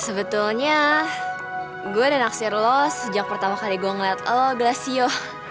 sebetulnya gue udah naksir lo sejak pertama kali gue ngeliat lo gelasio